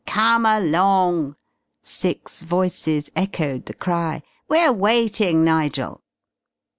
"Come along!" Six voices echoed the cry. "We're waiting, Nigel."